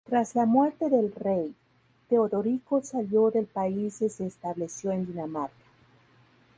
Tras la muerte del rey, Teodorico salió del país y se estableció en Dinamarca.